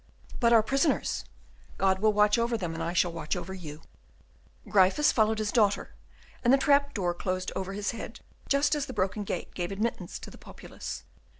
"But our prisoners?" "God will watch over them, and I shall watch over you." Gryphus followed his daughter, and the trap door closed over his head, just as the broken gate gave admittance to the populace.